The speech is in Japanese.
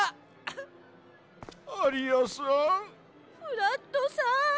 フラットさん。